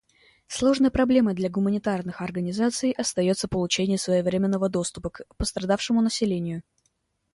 Сложной проблемой для гуманитарных организаций остается получение своевременного доступа к пострадавшему населению.